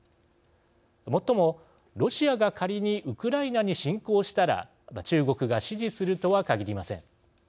もっとも、ロシアが仮にウクライナに侵攻したら中国が支持するとはかぎりません。